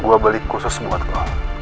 gue beli khusus buat lo